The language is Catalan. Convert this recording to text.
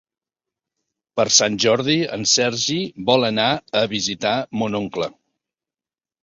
Per Sant Jordi en Sergi vol anar a visitar mon oncle.